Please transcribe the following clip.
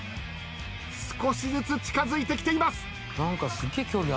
少しずつ近づいてきています。